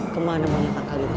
ke mana banyak angka gitu